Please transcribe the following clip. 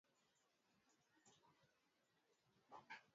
Ngozi iliyo katikati ya kwato kuwa na wekundu